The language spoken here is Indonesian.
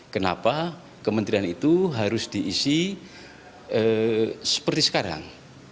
kenapa kementerian itu harus diisi seperti sekarang